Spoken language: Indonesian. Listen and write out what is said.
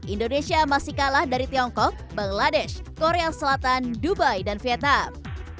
indonesia masih kalah dari tiongkok bangladesh korea selatan dubai dan vietnam